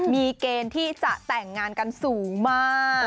มีเกณฑ์ที่จะแต่งงานกันสูงมาก